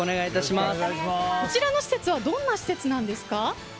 こちらの施設はどんな施設なんですか？